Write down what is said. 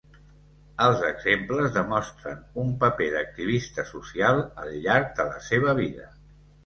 Els exemples demostren un paper d'activista social al llarg de la seva vida.